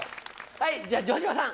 はいじゃあ城島さん。